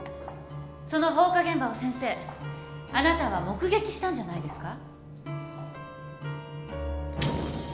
その放火現場を先生あなたは目撃したんじゃないですか？